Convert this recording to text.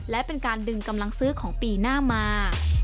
และเป็นการดึงกำลังซื้อของปีหน้ามา